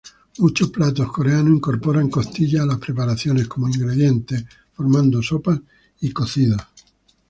Muchos platos coreanos incorporan costillas a las preparaciones como ingrediente, formando sopas y cocidos.